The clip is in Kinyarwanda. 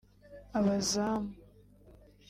Abazamu